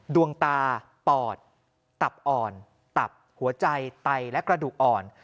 ดวงตาปอดตับอ่อนตับหัวใจไตและกระดูกอ่อน